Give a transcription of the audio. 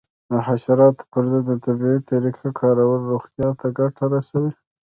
د حشراتو پر ضد د طبیعي طریقو کارول روغتیا ته ګټه رسوي.